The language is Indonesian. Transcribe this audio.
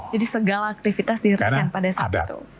jadi segala aktivitas di rekan pada saat itu